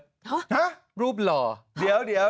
ฮะรูปหล่อเดี๋ยว